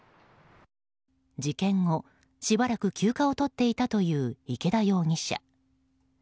事件後、しばらく休暇をとっていたという池田容疑者。